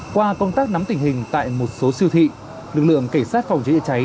qua công tác nắm tình hình tại một số siêu thị lực lượng cảnh sát phòng cháy chữa cháy